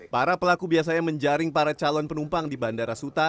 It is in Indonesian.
para pelaku biasanya menjaring para calon penumpang di bandara suta